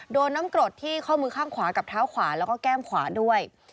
โดนน้ำกรดที่ข้อมือข้างขวากับเท้าขวาแล้วก็แก้มขวาด้วย